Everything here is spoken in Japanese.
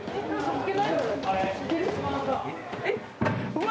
うわ！